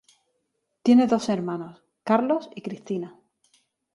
Tiene dos hermanos, Carlos y Cristina.